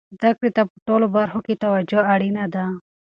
زده کړې ته په ټولو برخو کې توجه اړینه ده.